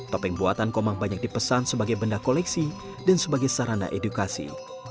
topeng buatan komang banyak dipesan sebagai benda koleksi dan sebagai sarana edukasi